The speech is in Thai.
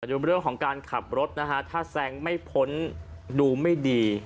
ดูเรื่องของการขับรถนะฮะถ้าแซงไม่พ้นดูไม่ดี